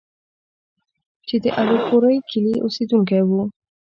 چې د الپورۍ کلي اوسيدونکی وو،